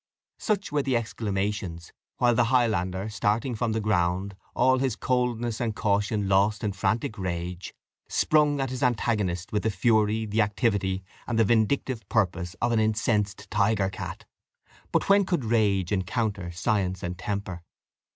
Such were the exclamations, while the Highlander, starting from the ground, all his coldness and caution lost in frantic rage, sprung at his antagonist with the fury, the activity, and the vindictive purpose of an incensed tiger cat. But when could rage encounter science and temper?